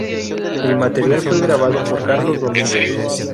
El material fue grabado por Carlos Domínguez.